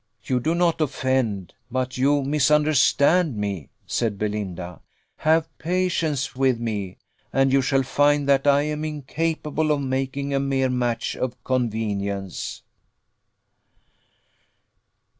"You do not offend, but you misunderstand me," said Belinda. "Have patience with me, and you shall find that I am incapable of making a mere match of convenience."